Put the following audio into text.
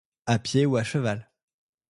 À pied ou à cheval.